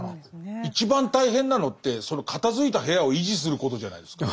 一番大変なのってその片づいた部屋を維持することじゃないですか。